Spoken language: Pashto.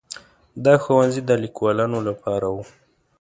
دا ښوونځي د لیکوالانو لپاره وو.